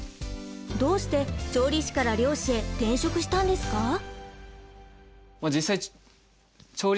どうして調理師から漁師へ転職したんですか？